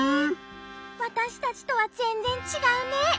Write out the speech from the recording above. わたしたちとはぜんぜんちがうね。